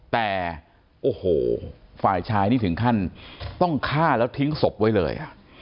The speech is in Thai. แต่โอ้โหฝ่ายชายนี่ถึงขั้นต้องฆ่าแล้วทิ้งศพไว้เลย